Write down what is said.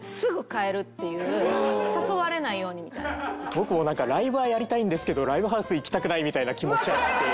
僕もなんかライブはやりたいんですけどライブハウス行きたくないみたいな気持ちはあって。